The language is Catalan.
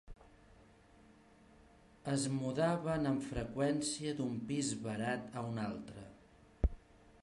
Es mudaven amb freqüència d'un pis barat a un altre.